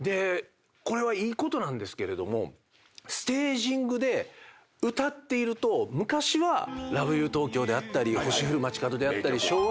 これはいいことなんですけれどもステージングで歌っていると昔は『ラブユー東京』であったり『星降る街角』であったり。